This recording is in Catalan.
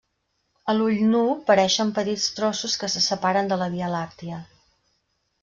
A l'ull nu, pareixen petits trossos que se separen de la Via Làctia.